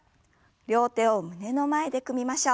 両手を胸の前で組みましょう。